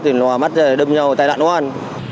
thì nó mắt đâm nhau tai nạn nó ăn